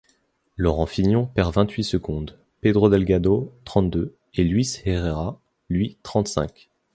Laurent Fignon perd vingt-huit secondes, Pedro Delgado, trente-deux et Luis Herrera, lui, trente-cinq.